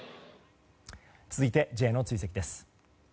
続いて、Ｊの追跡です。